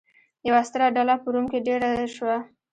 یوه ستره ډله په روم کې دېره شوه.